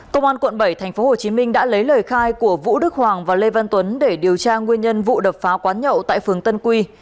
công an quận bảy tp hcm đã lấy lời khai của vũ đức hoàng và lê văn tuấn để điều tra nguyên nhân vụ đập phá quán nhậu tại phường tân quy